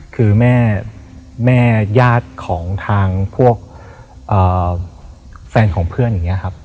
คือแม่ญาติของทางพวกแฟนของเพื่อนอย่างนี้ครับ